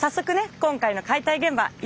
今回の解体現場行ってみましょう。